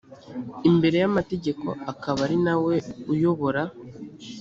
imbere y amategeko akaba ari na we uyobora